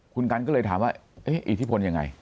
คุณกันก็เลยถามว่าอิทธิพลยังไง